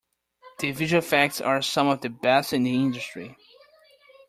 The visual effects are some of the best in the industry.